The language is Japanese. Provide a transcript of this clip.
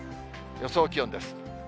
予想気温です。